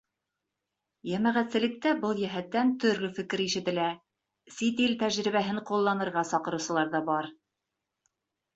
Йәмәғәтселектә был йәһәттән төрлө фекер ишетелә, сит ил тәжрибәһен ҡулланырға саҡырыусылар ҙа бар.